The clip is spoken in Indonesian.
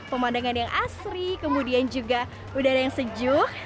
pemandangan yang asri kemudian juga udara yang sejuk